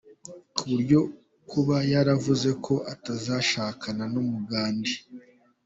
Kubyo kuba yaravuze ko atazashakana n’umugande.